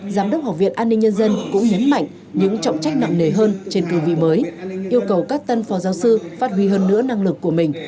giám đốc học viện an ninh nhân dân cũng nhấn mạnh những trọng trách nặng nề hơn trên cương vị mới yêu cầu các tân phó giáo sư phát huy hơn nữa năng lực của mình